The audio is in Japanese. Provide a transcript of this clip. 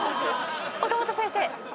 岡本先生。